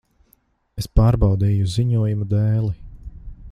Es pārbaudīju ziņojumu dēli.